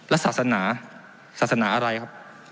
และศาสนาศาสนาอะไรครับ